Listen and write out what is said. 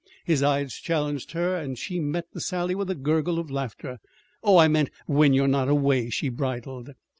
His eyes challenged her, and she met the sally with a gurgle of laughter. "Oh, I meant when you're not away," she bridled.